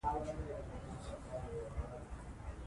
چې که د هر جنس لپاره وکارېږي